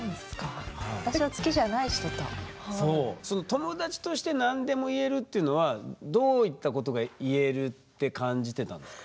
友達として何でも言えるっていうのはどういったことが言えるって感じてたんですか？